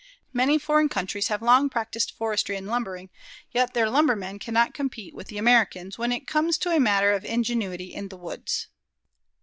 Many foreign countries have long practiced forestry and lumbering, yet their lumbermen cannot compete with the Americans when it comes to a matter of ingenuity in the woods.